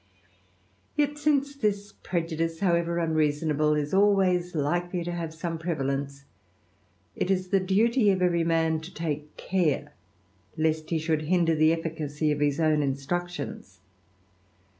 Yet since this prejudice, however unreasonable, is alwayi likely to have some prevalence, it is the duty of every mar to take care lest he should hinder the eflScacy of his own instructions.